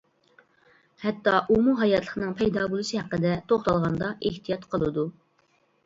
ھەتتا ئۇمۇ ھاياتلىقنىڭ پەيدا بولۇشى ھەققىدە توختالغاندا ئېھتىيات قىلىدۇ.